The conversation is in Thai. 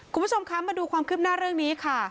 คุณผู้ชมคะมาดูความคืบหน้าเรื่องนี้ค่ะ